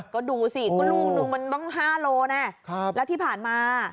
ก็ดูสิก็ลูกนึงมันต้อง๕โลแน่แล้วที่ผ่านมา